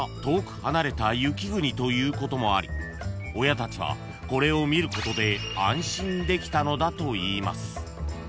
［ということもあり親たちはこれを見ることで安心できたのだといいます］